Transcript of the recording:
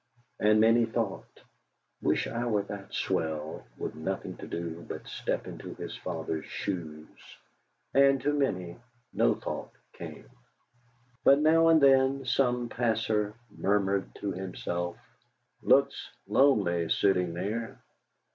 And many thought: 'Wish I were that swell, with nothing to do but step into his father's shoes;' and to many no thought came. But now and then some passer murmured to himself: "Looks lonely sitting there."